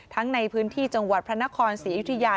ในพื้นที่จังหวัดพระนครศรีอยุธยา